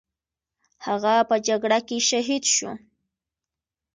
هغه په جګړه کې شهید شو.